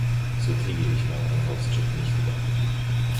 So kriege ich meinen Einkaufschip nicht wieder.